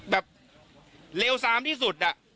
แบบเลวซ้ำที่สุดอ่ะ